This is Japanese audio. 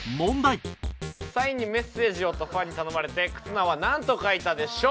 「サインにメッセージを」とファンに頼まれて忽那はなんと書いたでしょう？